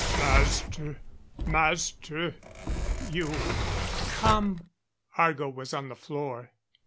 "Master! Master, you " "Come!" Argo was on the floor.